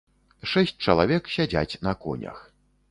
Шэсць чалавек сядзяць на конях.